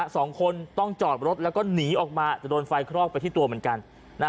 สองคนต้องจอดรถแล้วก็หนีออกมาจะโดนไฟคลอกไปที่ตัวเหมือนกัน